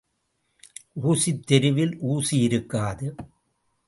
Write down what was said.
ஊசித் தெருவில் ஊசி இருக்காது.